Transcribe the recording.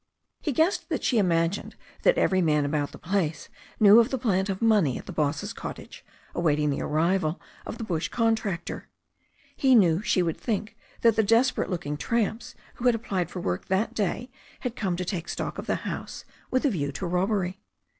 He guessed that she imagined that every man about the place knew of the plant of money at the boss's cottage, awaiting the arrival of the bush contractor. He knew she would think that the desperate looking tramps who had ap plied for work that day had come to take stock of the house with a view to robbery.